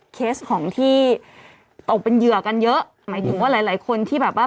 เคสของที่ตกเป็นเหยื่อกันเยอะหมายถึงว่าหลายหลายคนที่แบบว่า